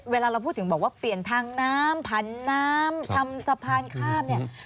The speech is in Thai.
เวลาเราพูดถึงบอกว่าเปลี่ยนทางน้ำผันน้ำทำสะพานข้ามเนี่ย